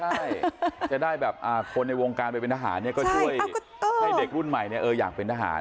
ใช่จะได้แบบคนในวงการไปเป็นทหารเนี่ยก็ช่วยให้เด็กรุ่นใหม่อยากเป็นทหาร